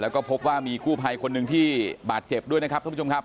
แล้วก็พบว่ามีกู้ภัยคนหนึ่งที่บาดเจ็บด้วยนะครับท่านผู้ชมครับ